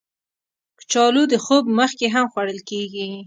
کچالو د خوب مخکې هم خوړل کېږي